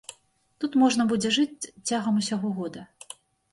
Тут можна будзе жыць цягам усяго года.